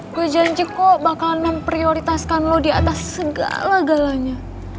gue janji kok bakalan memprioritaskan lo di atas segala galanya